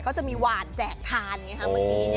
ก็จะมีหวานแจกทานไงคะมึงนี้เนี่ยฮะ